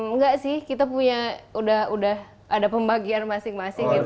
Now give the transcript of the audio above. enggak sih kita punya udah ada pembagian masing masing gitu